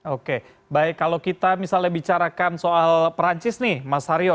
oke baik kalau kita misalnya bicarakan soal perancis nih mas haryo